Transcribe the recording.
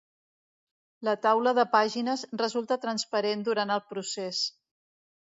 La taula de pàgines resulta transparent durant el procés.